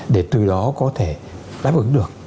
để từ đó có thể đáp ứng được